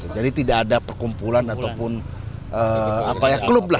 jadi tidak ada perkumpulan ataupun klub lah